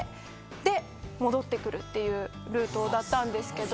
で戻って来るっていうルートだったんですけど。